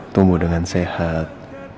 tumbuh dengan sehat